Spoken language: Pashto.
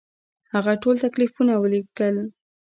هغه ټول تکلیفونه ولیکل.